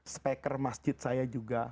speker masjid saya juga